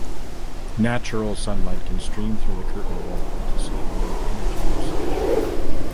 Natural sunlight can stream through the curtain wall to save on energy usage.